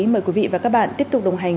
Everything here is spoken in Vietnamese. mời quý vị và các bạn tiếp tục đồng hành